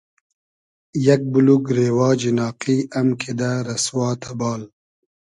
یئگ بولوگ رېواجی ناقی ام کیدۂ رئسوا تئبال